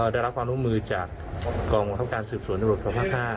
ได้รับความภูมิจากกองทัพการสืบสวนอุโรธภาพห้า